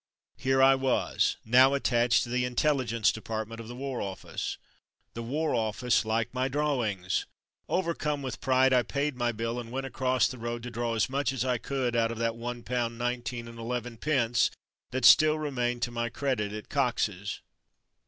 Here I was now attached to the Intelli gence Department of the War Office !" The War Office like my drawings!!'' Overcome with pride, I paid my bill and went across the road to draw as much as I could out of that one pound nineteen and eleven pence that still remained to my credit at Cox's.